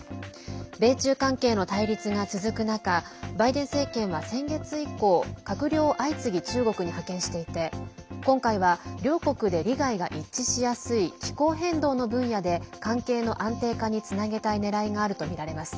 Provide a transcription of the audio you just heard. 米中関係の対立が続く中バイデン政権は先月以降閣僚を相次ぎ中国に派遣していて今回は両国で利害が一致しやすい気候変動の分野で関係の安定化につなげたいねらいがあるとみられます。